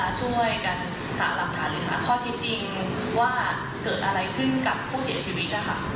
ข้อที่จริงว่าเกิดอะไรขึ้นกับผู้เสียชีวิต